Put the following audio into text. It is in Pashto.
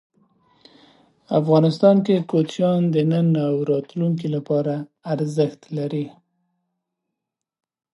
افغانستان کې کوچیان د نن او راتلونکي لپاره ارزښت لري.